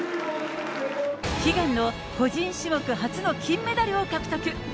悲願の個人種目初の金メダルを獲得。